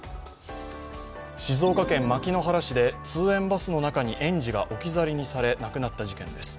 静岡県牧之原市で通園バスの中に園児が置き去りにされ亡くなった事件です。